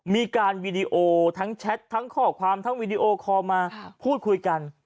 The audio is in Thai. มีการวีดีโอทั้งแชททั้งข้อความทั้งวีดีโอคอลมาพูดคุยกัน